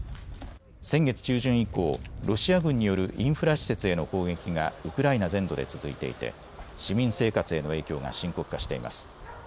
先月中旬以降、ロシア軍によるインフラ施設への攻撃がウクライナ全土で続いていて市民生活への影響が深刻化しています。